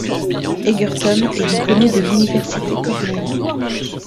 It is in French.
Edgerton est diplômé de l'université Cornell.